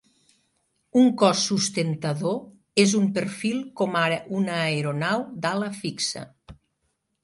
Un cos sustentador és un perfil com ara una aeronau d'ala fixa.